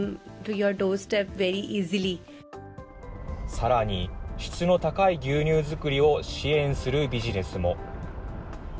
さらに、質の高い牛乳作りを支援するビジネスも。